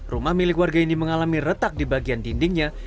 rumah milik warga ini mengalami retak di bagian dindingnya